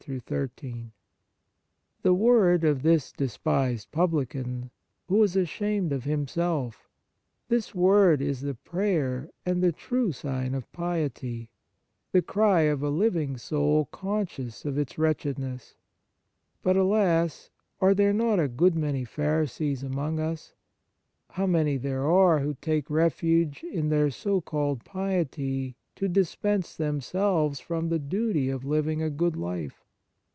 93 On Piety word of this despised publican, who was ashamed of himself — this word is the prayer and the true sign of piety, the cry of a living soul conscious of its wretchedness. But, alas ! are there not a good many Pharisees among us ? How many there are who take refuge in their so called piety to dispense themselves from the duty of living a good life